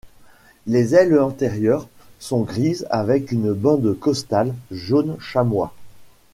Les ailes antérieures sont grises avec une bande costale jaune chamois.